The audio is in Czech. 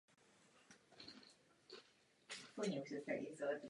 O medaile bojovali pouze muži.